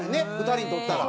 ２人にとったら。